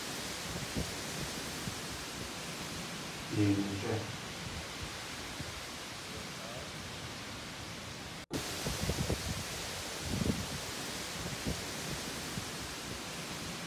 Yéi nají!